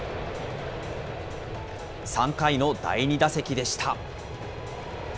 ３回の第２打席でした。